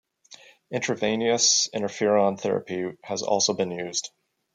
Intravenous interferon therapy has also been used.